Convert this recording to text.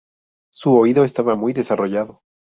Su oído estaba muy desarrollado.